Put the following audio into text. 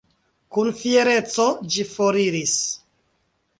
Kun fiereco, ĝi foriris.